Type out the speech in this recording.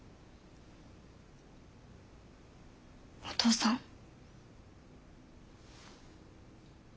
お父さん？